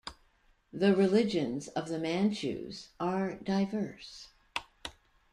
The religions of the Manchus are diverse.